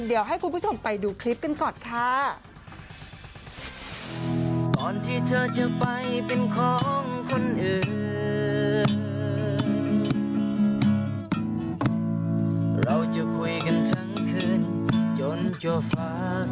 เดี๋ยวให้คุณผู้ชมไปดูคลิปกันก่อนค่ะ